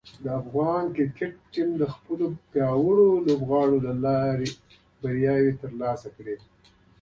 د افغان کرکټ ټیم د خپلو پیاوړو لوبغاړو له لارې بریاوې ترلاسه کړې دي.